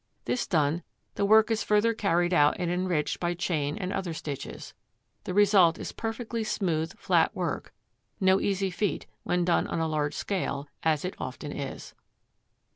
This done, the work is further carried out and enriched by chain and other stitches. The result is perfectly smooth flat work, no easy feat when done on a large scale, as it often is.